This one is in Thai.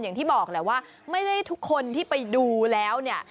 อย่างที่บอกแหละว่าไม่ได้ทุกคนที่ไปดูแล้วเนี่ย